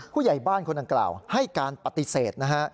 ผู้ใหญ่บ้านคนดังกล่าวให้การปฏิเสธนะฮะ